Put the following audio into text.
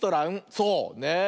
そうねえ。